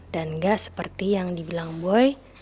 dan gak seperti yang dibilang boy